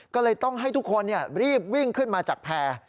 ก็เลยต้องให้ทุกคนรีบวิ่งขึ้นมาจากแพร่